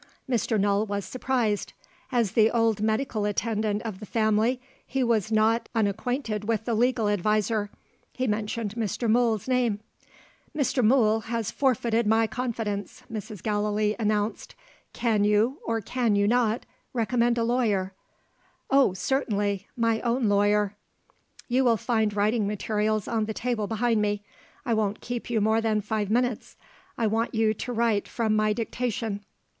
Mr. Null was surprised. As the old medical attendant of the family, he was not unacquainted with the legal adviser. He mentioned Mr. Mool's name. "Mr. Mool has forfeited my confidence," Mrs. Gallilee announced. "Can you, or can you not, recommend a lawyer?" "Oh, certainly! My own lawyer." "You will find writing materials on the table behind me. I won't keep you more than five minutes. I want you to write from my dictation."